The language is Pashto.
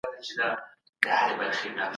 په کار کي به له هیچا سره زیاتی نه کوئ.